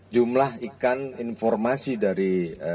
jumlah ikan informasi dari